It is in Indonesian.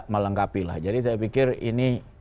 melengkapi lah jadi saya pikir ini